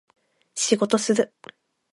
仕事する